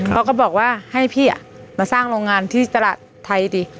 เขาก็บอกว่าให้พี่มาสร้างโรงงานที่ตลาดไทยดิ